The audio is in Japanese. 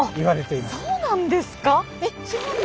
えっそうなんですか。